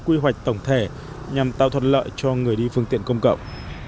quy hoạch tổng thể nhằm tạo thuận lợi cho người đi phương tiện công cộng